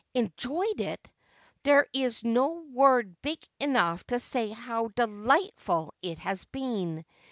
' Enjoyed it ? There is no word big enough to say how delightful it has been